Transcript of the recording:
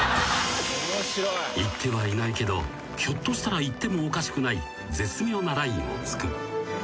［言ってはいないけどひょっとしたら言ってもおかしくない絶妙なラインを突く］